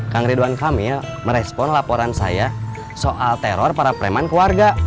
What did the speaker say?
kang ridwan kamil merespon laporan saya soal teror para preman keluarga